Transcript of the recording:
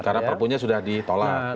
karena perpunya sudah ditolak